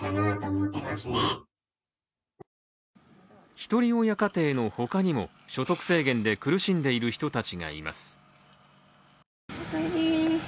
ひとり親家庭の他にも所得制限で苦しんでいる人たちがいます。